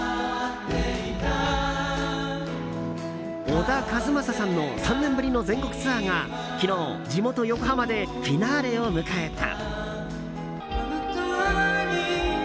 小田和正さんの３年ぶりの全国ツアーが昨日、地元・横浜でフィナーレを迎えた。